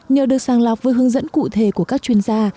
nhờ được sàng lọc với hướng dẫn cụ thể của các chuyên gia